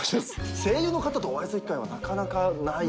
声優の方とお会いする機会はなかなかない。